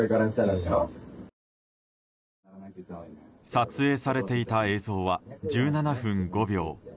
撮影されていた映像は１７分５秒。